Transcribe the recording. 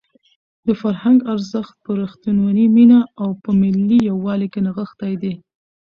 د فرهنګ ارزښت په رښتونې مینه او په ملي یووالي کې نغښتی دی.